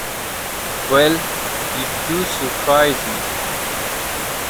Well, you do surprise me!